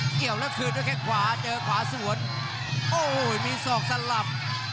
เกี่ยวแล้วคืนด้วยแค่ขวาเจอขวาสวนโอ้โหมีศอกสลับ